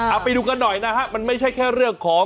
เอาไปดูกันหน่อยนะฮะมันไม่ใช่แค่เรื่องของ